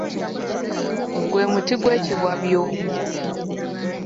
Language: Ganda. Gwe muti gwekiwabyo.